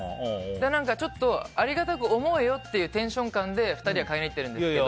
ちょっとありがたく思えよっていうテンション感で２人は買いに行ってるんですけど。